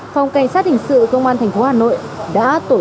phòng cảnh sát hình sự công an thành phố hà nội